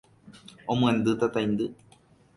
omyendy tataindy